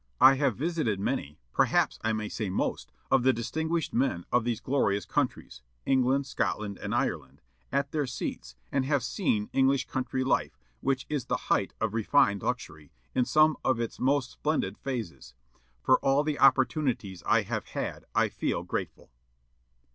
I have visited many perhaps I may say most of the distinguished men of these glorious countries (England, Scotland, and Ireland), at their seats, and have seen English country life, which is the height of refined luxury, in some of its most splendid phases. For all the opportunities I have had I feel grateful."